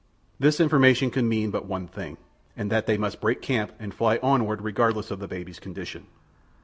This information could mean but one thing, and that they must break camp and fly onward regardless of the baby's condition.